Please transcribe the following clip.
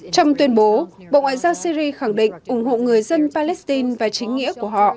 trong tuyên bố bộ ngoại giao syri khẳng định ủng hộ người dân palestine và chính nghĩa của họ